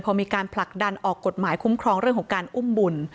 พอมีการผลักดันออกกฎหมายคุ้มครองเรื่องของการอุ้มบุญ